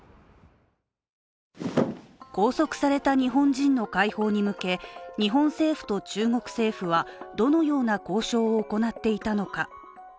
拘束された日本人の解放に向け日本政府と中国政府はどのような交渉を行っていたのか。